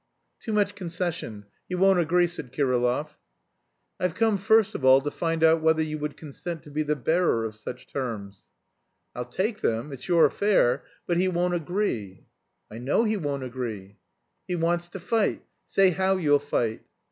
"Too much concession; he won't agree," said Kirillov. "I've come first of all to find out whether you would consent to be the bearer of such terms." "I'll take them. It's your affair. But he won't agree." "I know he won't agree." "He wants to fight. Say how you'll fight."